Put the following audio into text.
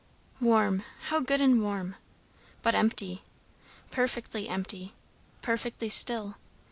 Warm, how good and warm! but empty. Perfectly empty. Perfectly still.